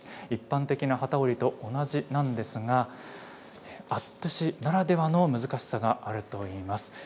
一般的な機織りと同じなんですがアットゥシならではの難しさがあるといいます。